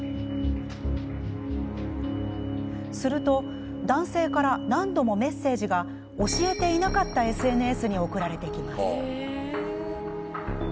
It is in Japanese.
すると男性から何度もメッセージが教えていなかったＳＮＳに送られてきます。